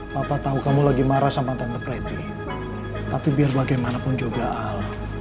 papa tahu kamu lagi marah sama tante preti tapi biar bagaimanapun juga al